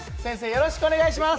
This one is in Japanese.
よろしくお願いします。